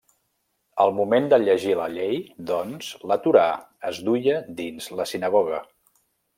Al moment de llegir la Llei, doncs, la Torà es duia dins la sinagoga.